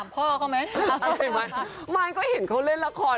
เพราะอย่างงี่หรอ